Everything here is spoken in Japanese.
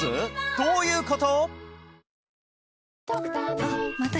どういうこと？